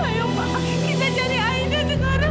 ayo bapak kita cari aida sekarang